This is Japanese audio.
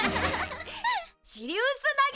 シリウス投げ！